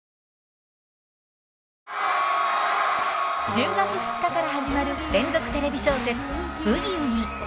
１０月２日から始まる連続テレビ小説「ブギウギ」。